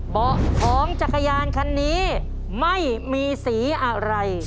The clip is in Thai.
เบาะของจักรยานคันนี้ไม่มีสีอะไร